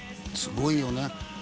すごいよね。